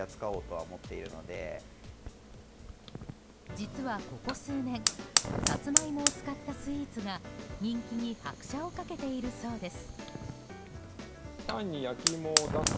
実はここ数年サツマイモを使ったスイーツが人気に拍車をかけているそうです。